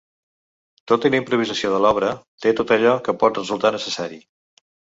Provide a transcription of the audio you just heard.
Tot i la improvisació de l’obra, té tot allò que pot resultar necessari.